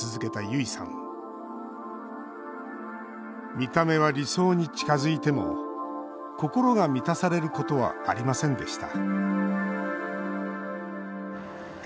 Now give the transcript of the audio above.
見た目は理想に近づいても心が満たされることはありませんでした